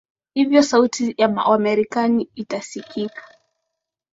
hivyo sauti ya wamarekani itasikika